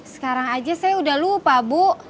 sekarang aja saya udah lupa bu